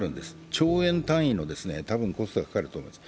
兆円単位のコストが多分かかると思います。